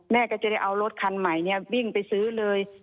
แม่ก็จะได้เอารถคันใหม่วิ่งไปซื้อเลย